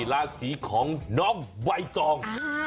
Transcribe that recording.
ราศีของน้องวัยจอง